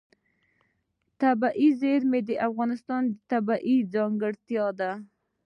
طبیعي زیرمې د افغانستان یوه طبیعي ځانګړتیا ده.